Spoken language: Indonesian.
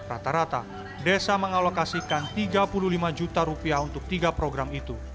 rata rata desa mengalokasikan rp tiga puluh lima untuk tiga program itu